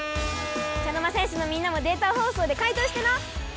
茶の間戦士のみんなもデータ放送で解答してな！